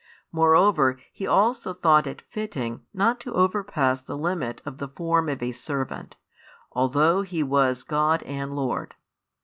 Moreover He also thought it fitting not to overpass the limit of the form of a servant, although He was God and Lord.